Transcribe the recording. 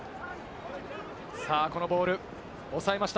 このボール、おさえました。